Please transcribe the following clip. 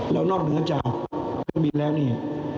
แล้วนอกเหนือจากเครื่องบินแล้วเนี่ย